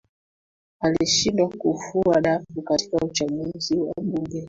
Alishindwa kufua dafu katika uchaguzi wa bunge